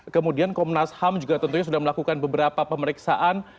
kemudian komnas ham juga tentunya sudah melakukan beberapa pemeriksaan